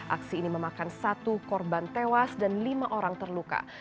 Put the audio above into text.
aksi ini memakan satu korban tewas dan lima orang terluka